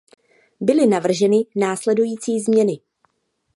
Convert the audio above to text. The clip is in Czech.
Byly navrženy následující změny.